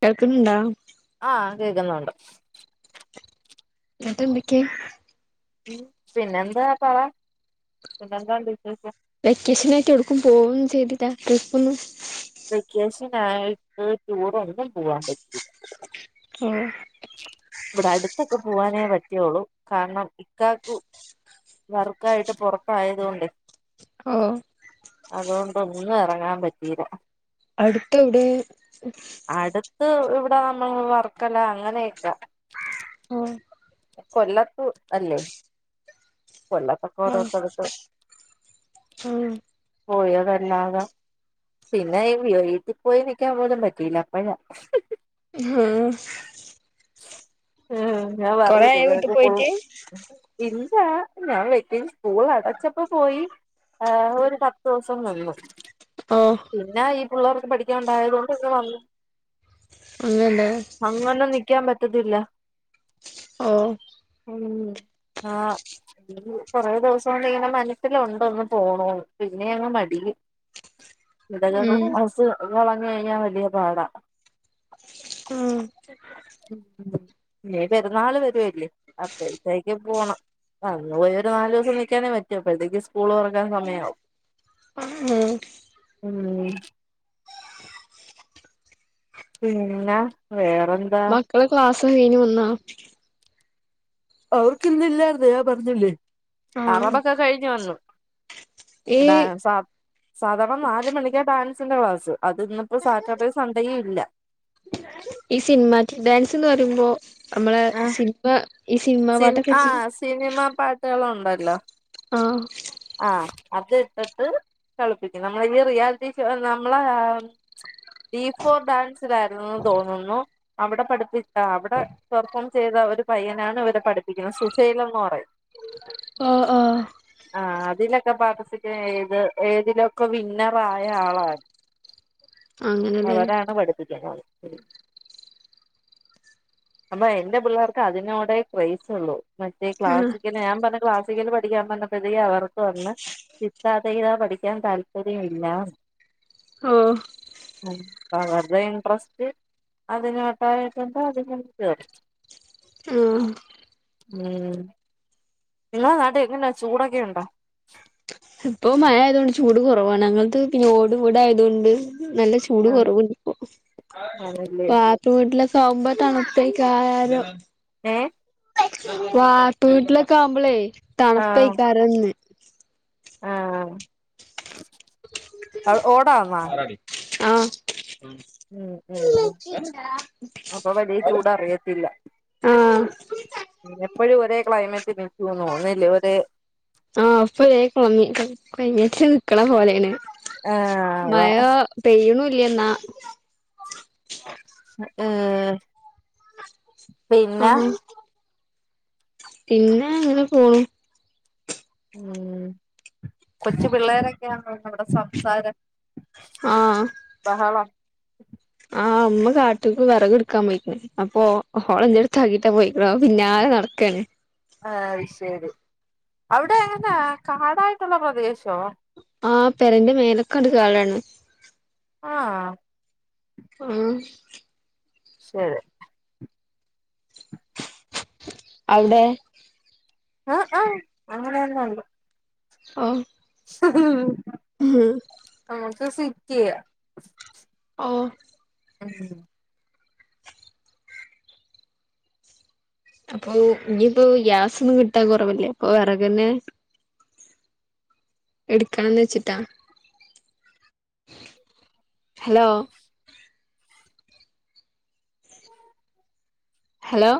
കേൾക്ക്ന്ന്ണ്ടാ ആഹ് കേക്കുന്നുണ്ട് ചേട്ടൻ വിക്കേ പിന്നെന്താ പറ പിന്നെന്താ ഉണ്ട് വിശേഷം വെക്കേഷനായിട്ട് എടുക്കും പോവന്നും ചെയ്തില്ല ട്രിപ്പ് ഒന്നും വെക്കേഷൻ ആയിട്ട് ടൂർ ഒന്നും പോവാൻ പറ്റീല്ല ഉം ഇവിടെ അടുത്തൊക്കെ പോവാനേ പറ്റിയുള്ളൂ കാരണം ഇക്കാക്കു വർക്കായിട്ട് പുറത്തയതൊണ്ടേ ഓഹ് അതൊണ്ടൊന്നു ഇറങ്ങാൻ പറ്റീല്ല അടുത്ത് എവിടെ അടുത്ത് ഇവിടെ നമ്മള് വർക്കല അങ്ങനെയൊക്ക ഉം കൊല്ലത്തു അല്ലേ കൊല്ലത്തൊക്കെ ആ ഓരോ സ്ഥലത്ത് ആ പോയതല്ലാതെ പിന്നെ ഈ വീട്ടിൽ പോയിരിക്കാൻ പോലും പറ്റിയില്ല അപ്പഴാ ഹും ഏഹ് ഞാൻ കൊറേ പറഞ്ഞില്ലേ ആയോ വീട്ടി വീട്ടിൽ പോകും പോയിട്ട് ഇല്ലാ ഞാൻ വെക്കേഷൻ സ്കൂൾ അടച്ചപ്പോ പോയി ആഹ് ഒരു പത് ദിവസൊന്നില്ല ആഹ് പിന്നെ ഈ പിള്ളേർക്ക് പഠിക്കാൻ ഉണ്ടായത് കൊണ്ട് വന്നു ഒന്നല്ലെ അങ്ങനെ നിക്കാൻ പറ്റത്തില്ല ഓഹ് ഉം ആഹ് വിട്ടി കുറെ ദിവസം കൊണ്ട് ഇങ്ങനെ മനസ്സിലുണ്ടൊന്ന് പോണോന്ന് പിന്നെ അങ്ങ് മടി ഇവിടെ ഉം എല്ലാർകും അസുഖം വന്ന് കഴിഞ്ഞാൽ വലിയ പാടാ ഉം ഉം ഇനി പെരുന്നാള് വരുവല്ലേ അപ്പഴ്ത്തേക്കു പോണം അന്ന് പോയി ഒരു നാലെസം നിൽക്കാനേ പറ്റു അപ്പഴ്ത്തേക്കും സ് സ്കൂള് തൊറക്കാൻ സമയാവും ആ ഉം പിന്ന വേറെ മക്കള് ക്ലാസ് കഴിഞ്ഞു വന്നാ അവർക്ക് ഇന്ന് ഇല്ലായിരുന്ന് ഞാൻ പറഞ്ഞില്ലേ ആ അറബക്കെ കഴിഞ്ഞ് വന്ന് ഈ ഡാൻസാ സാധാർണ നാല് മണിക്ക ഡാൻസിന്റെ ക്ലാസ് അത് ഇന്നിപ്പോ സാറ്റർഡേയും സൺഡേയും ഇല്ല ഈ സിനിമാറ്റിക് ഡാൻസെന്ന് പറയുംമ്പോ നമ്മള് സിനിമ ഈ സിനിമ സിന് പാട്ടൊക്കെ ആ വെച്ച് സിനിമാ പാട്ടുകളുണ്ടല്ലോ ആഹ് ആ അത് ഇട്ടിട്ട് കളിപ്പിക്കും നമ്മള ഈ റിയാലിറ്റി ഷോ നമ്മളാ ഡീ ഫോർ ഡാൻസിലായിരുന്നൂന്ന് തോന്നുന്നു അവിടെ പഠിപ്പി അവ്ടെ പെർഫോം ചെയ്ത ഒരു പയ്യനാണ് ഇവിടെ പഠിപ്പിക്കുന്ന സുചൈലെന്ന് പറയും ഓഹ് ഓഹ് ആ അതിലൊക്കെ പാട്ടിസിപ്പേത് ഏതിലൊക്ക വിന്നറായ ആളാ അങ്ങനെല്ലേ അവരാണ് പഠിപ്പിക്കുന്നത് അപ്പൊ എന്റെ പിള്ളേർക്ക് അതിനോടെ ക്രൈസുള്ളു മറ്റേ ക്ലാസിക്കല് ഞാൻ പറഞ്ഞ് ക്ലാസിക്കൽ പഠിക്കാൻ പർഞ്ഞ പ്രതി അവർക്ക് വന്ന് തിത്ത തെയ്ത പഠിക്കാൻ താല്പര്യമില്ലാന്ന് ആ ഓ ഉം അവർടെ ഇൻട്രസ്റ്റ് അതിനോട്ടായിട്ടൊണ്ട് അതിന് ചേർത്ത് ഉം ഉം നിങ്ങള നാട്ടി എങ്ങന ചൂടൊക്കെ ഉണ്ടോ ഇപ്പൊ മഴ ആയതോണ്ട് ചൂട് കൊറവാണ് ഞങ്ങളത് പിന്നെ ഓട് വീടായതോണ്ട് നല്ല ചൂട് ആഹ് കൊറവിണ്ടിപ്പോ ആണല്ലേ വാപ്പ വീട്ടിലക്കാവുംമ്പ തണുപ്പായിക്കും ആയാലോ ഏഹ് വാർത്ത വീട്ടിലക്ക ആവുംമ്പളേ ആഹ് തണുപ്പായിക്കാരുംന്ന് ആഹ് ഓടാന്നാ ആഹ് ഉം ഉം അപ്പൊ വലിയ ചൂടറിയത്തില്ല ആഹ് എപ്പഴും ഒരേ ക്ലൈമറ്റി നിക്കൂന്നു തോന്ന് ഇല്ലേ ഒരേ ആഹ് ഫ്ലേക്ക് പൊന്നി അപ്പ എനീച്ച് നിക്കണ പോലെയാണ് ആഹ് അതാ മഴ പെയ്യണൂല്ല എന്നാ ഏ ആഹ് പിന്നെ ഇങ്ങന പോണു ഉം കൊച്ചു പിള്ളേരൊക്കെയാണല്ലോ അവിടെ സംസാരം ആഹ് ബഹളം ആ ഉമ്മ കാട്ടിക്ക് വെറക് എടുക്കാൻ പോയിക്കണ് അപ്പൊ ഹോളന്റെടുത്താക്കീട്ടാ പോയിക്കണ ഓൻ പിന്നാലെ നടക്കാണ് ആഹ് അയ്ശെരി അവിടെ എങ്ങനാ കാടായിട്ടൊള്ള പ്രദേശോ ആഹ് പെരേന്റെ മേലക്കണ്ട് കേളാണ് ആഹ് ആഹ് ശെരി അവ്ടെ ആഹ് ആഹ് അങ്ങനന്നൊണ്ട് ഓ സ്ഹ് ഉം നമുക്ക് സിക്കയ ആഹ് [unintelligible] അപ്പൊ ഇനിയിപ്പോ ഗ്യാസൊന്നും കിട്ടാൻ കുറവല്ലേ അപ്പൊ വിറകന്നെ എടുക്കണംന്ന് വെച്ചിട്ടാ ഹലോ ഹലോ